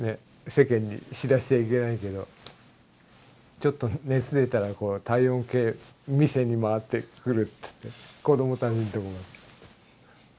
世間に知らしちゃいけないけど「ちょっと熱出たら体温計見せに回ってくる」つって子供さんのとこ。